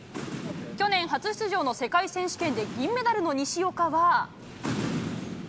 去年初出場の世界選手権で銀メダルの西岡は。